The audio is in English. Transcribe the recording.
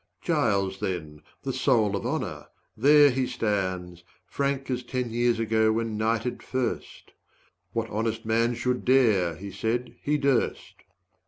Giles then, the soul of honor there he stands Frank as ten years ago when knighted first. What honest man should dare (he said) he durst.